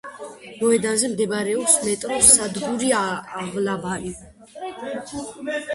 მოედანზე მდებარეობს მეტროს სადგური ავლაბარი.